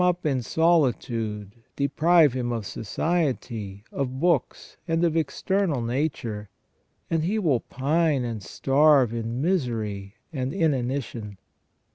up in solitude, deprive him of society, of books, and of external nature, and he will pine and starve in misery and inanition.